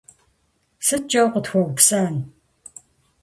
Сыткӏэ укъытхуэупсэн?